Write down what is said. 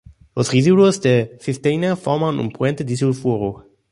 Los residuos de cisteína forman un puente disulfuro.